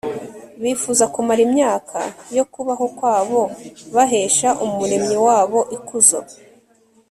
bifuza kumara imyaka yo kubaho kwabo bahesha umuremyi wabo ikuzo